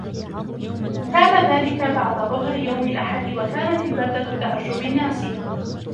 كان ذلك بعد ظهر يوم الاحد وكانت البلدة تعج بالناس.